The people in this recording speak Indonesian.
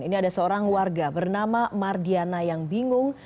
ini ada seorang warga bernama mardiana yang bingung